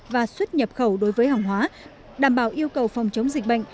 và xuất nhập khẩu đối với hàng hóa đảm bảo yêu cầu phòng chống dịch bệnh